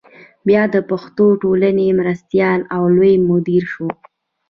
بیا د پښتو ټولنې مرستیال او لوی مدیر شو.